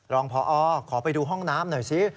รองพอขอไปดูห้องน้ำหน่อยสิ